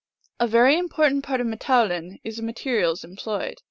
A very important part of mt&oulin is the materials employed.